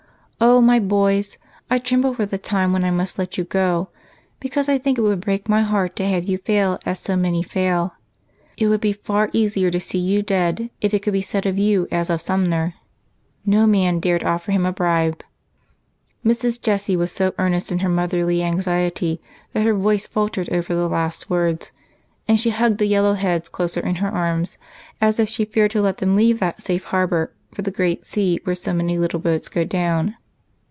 O ray boys ! I trem ble for the time when I must let you go, because I think it would break my heart to have you f lil as so many fail. It would be fixr easier to see you dead if it could be said of you as of Sumner, —' No man dared offer him a bribe.'" GOOD BARGAINS. 203 Mrs. Jessie was so earnest in her motherly anxiety that her voice faltered over the last words, and she hugged the yellow heads closer in her arms, as if she feared to let them leave that safe harbor for the great sea whei e so many little boats go down.